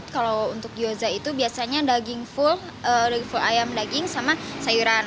kalau untuk gyoza itu biasanya daging full daging full ayam daging sama sayuran